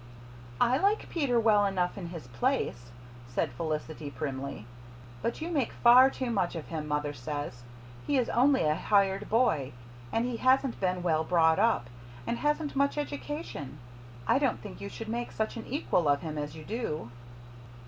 "I like Peter well enough in his place," said Felicity primly, "but you make far too much of him, mother says. He is only a hired boy, and he hasn't been well brought up, and hasn't much education. I don't think you should make such an equal of him as you do."